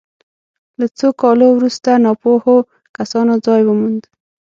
له څو کالو وروسته ناپوهو کسانو ځای وموند.